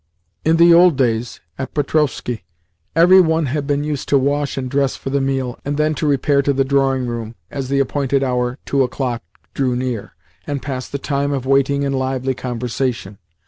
In the old days at Petrovskoe, every one had been used to wash and dress for the meal, and then to repair to the drawing room as the appointed hour (two o'clock) drew near, and pass the time of waiting in lively conversation.